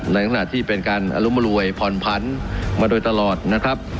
ในขณะที่เป็นการอรุมรวยผ่อนผันมาโดยตลอดนะครับ